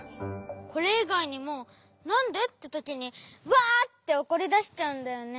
これいがいにも「なんで？」ってときにわっておこりだしちゃうんだよね。